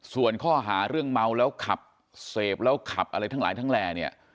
ส่วนข้อหาเรื่องเมาแล้วขับเสพแล้วขับอะไรทั้งหลายทั้งแหล่เนี่ย